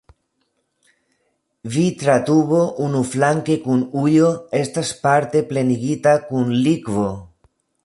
Vitra tubo unuflanke kun ujo estas parte plenigita kun likvo.